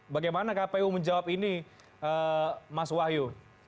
bagaimana kpu menjawab ini mas wahyu